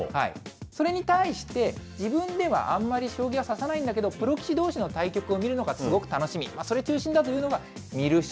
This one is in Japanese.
それに対して、自分ではあんまり将棋は指さないんだけれども、プロ棋士どうしの対局を観るのがすごく楽しみ、それが中心だと観る将。